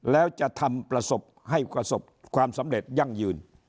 แล้วจะทำประสบให้ประสบความสำเร็จยั่งยืน